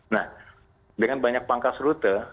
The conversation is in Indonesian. nah dengan banyak pangkas rute